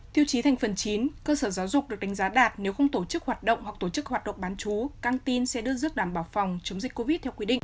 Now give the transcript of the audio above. tiêu chí thành phần chín cơ sở giáo dục được đánh giá đạt nếu không tổ chức hoạt động hoặc tổ chức hoạt động bán chú căng tin sẽ đưa giước đảm bảo phòng chống dịch covid theo quy định